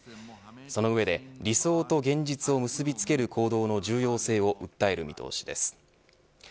その上で理想と現実を結びつける行動の重要性を訴える見通しです。